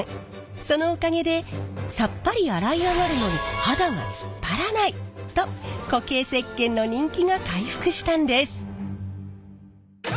そのおかげでさっぱり洗い上がるのに肌がつっぱらないと固形石けんの人気が回復したんです。